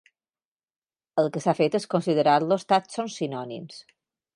El que s'ha fet és considerar-los tàxons sinònims.